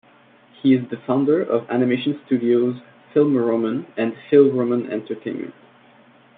He is the founder of animation studios Film Roman and Phil Roman Entertainment.